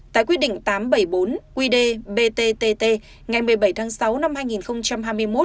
tại quyết định tám trăm bảy mươi bốn qd btt ngày một mươi bảy tháng sáu năm hai nghìn hai mươi một